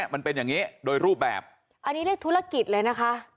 มันเป็นอย่างนี้โดยรูปแบบอันนี้เรียกธุรกิจเลยนะคะ